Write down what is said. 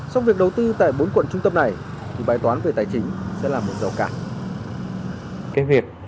sau việc đầu tư tại bốn quận trung tâm này thì bài toán về tài chính sẽ là một rõ cả